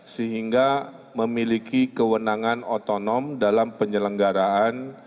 sehingga memiliki kewenangan otonom dalam penyelenggaraan